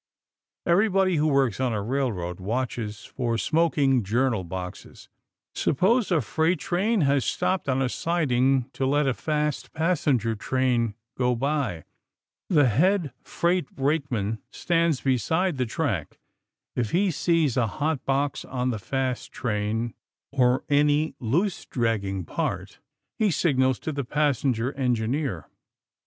Everybody who works on a railroad watches for smoking journal boxes. Suppose a freight train has stopped on a siding to let a fast passenger train go by. The head freight brakeman stands beside the track. If he sees a hot box on the fast train or any loose, dragging part he signals to the passenger engineer.